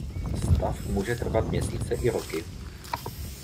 Stav může trvat měsíce i roky.